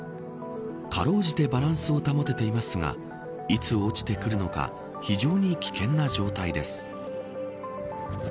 辛うじてバランスを保てていますがいつ落ちてくるのか非常に危険な状態です。